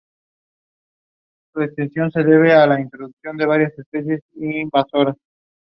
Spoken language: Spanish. Downes fue finalmente reemplazado por Bert Jones drafteado como el número dos.